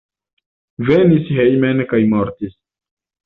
Venis hejmen kaj mortis.